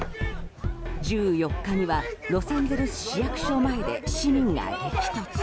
１４日にはロサンゼルス市役所前で市民が激突。